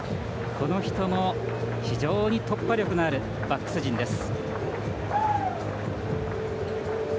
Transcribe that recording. この人も、非常に突破力のあるバックス陣です。